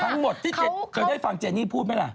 ทั้งหมดที่เคยได้ฟังเจนี่พูดไหมล่ะ